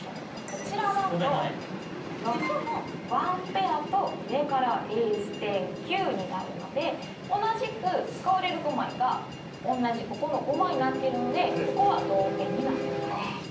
こちらだと６の１ペアと上からエース１０９になるので同じく使われる５枚がおんなじここの５枚になってるのでここは同点になってます。